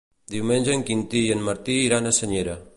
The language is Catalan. Diumenge en Quintí i en Martí iran a Senyera.